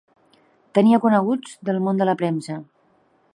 Tenia coneguts del món de la premsa.